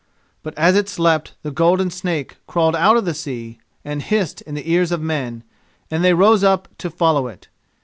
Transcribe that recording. But as it slept the golden snake crawled out of the sea, and hissed in the ears of men, and they rose up to follow it.